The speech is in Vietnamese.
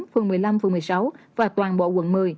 phường một mươi năm phường một mươi sáu và toàn bộ quận một mươi